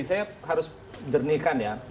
saya harus jernihkan ya